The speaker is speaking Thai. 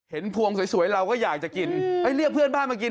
พวงสวยเราก็อยากจะกินเรียกเพื่อนบ้านมากิน